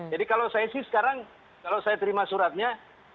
jadi kalau saya sih sekarang kalau saya terima suratnya